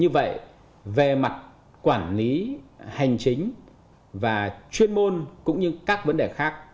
vậy về mặt quản lý hành chính và chuyên môn cũng như các vấn đề khác